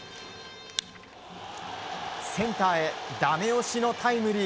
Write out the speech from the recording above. センターへダメ押しのタイムリー。